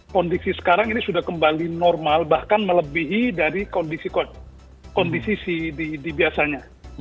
kondisi sekarang ini sudah kembali normal bahkan melebihi dari kondisi si di biasanya